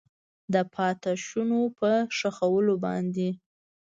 د پاتې شونو په ښخولو باندې